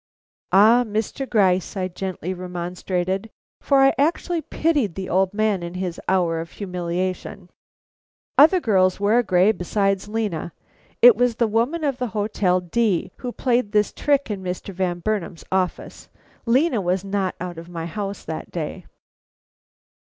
"Ah, Mr. Gryce," I gently remonstrated, for I actually pitied the old man in his hour of humiliation, "other girls wear gray besides Lena. It was the woman of the Hotel D who played this trick in Mr. Van Burnam's office. Lena was not out of my house that day."